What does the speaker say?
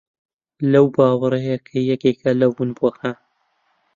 لەو باوەڕەیە کە یەکێکە لە ونبووەکان